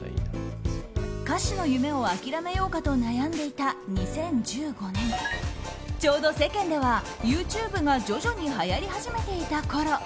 歌手の夢を諦めようかと悩んでいた２０１５年ちょうど世間ではＹｏｕＴｕｂｅが徐々にはやり始めていたころ。